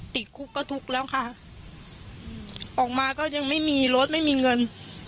ติดคุกก็ทุกข์แล้วค่ะออกมาก็ยังไม่มีรถไม่มีเงิน